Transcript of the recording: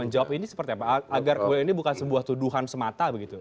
menjawab ini seperti apa agar kemudian ini bukan sebuah tuduhan semata begitu